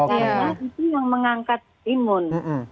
karena itu yang mengangkat imun